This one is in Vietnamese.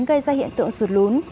gây ra hiện tượng sụt lún